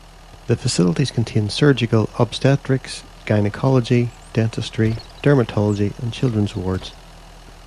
The facilities contain surgical, obstetrics, gynecology, dentistry, dermatology and children's wards.